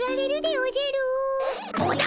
おじゃ。